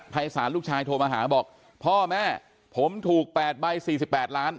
สารลูกชายโทรมาหาบอกพ่อแม่ผมถูก๘ใบ๔๘ล้าน